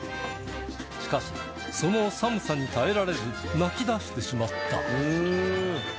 しかしその寒さに耐えられず泣きだしてしまった